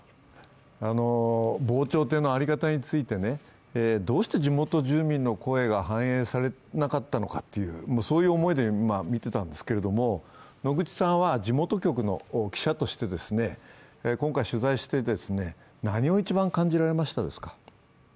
防潮堤の在り方について、どうして地元住民の声が反映されなかったのかという、そういう思いで今見ていたんですけど、野口さんは地元局の記者として、今回取材して何を一番感じられましたですか？